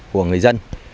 của người dân